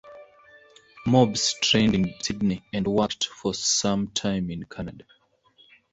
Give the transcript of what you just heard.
Mobbs trained in Sydney and worked for some time in Canada.